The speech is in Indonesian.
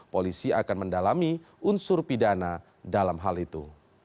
polisi akan mendalami unsur pidana dalam hal itu